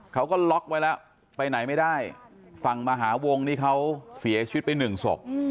เขาก็ล็อกไว้แล้วไปไหนไม่ได้ฝั่งมหาวงนี่เขาเสียชีวิตไปหนึ่งศพ